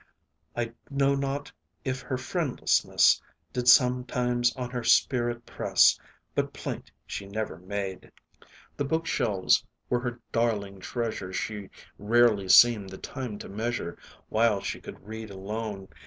I know not if her friendlessness Did sometimes on her spirit press, But plaint she never made. The book shelves were her darling treasure, She rarely seemed the time to measure While she could read alone.